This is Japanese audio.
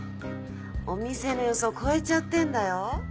お店の予想超えちゃってんだよ。